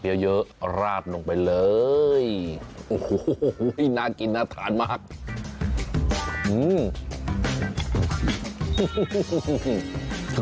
ผักเยอะราบลงไปเลยโอ้โหน่ากินน่าทานมาก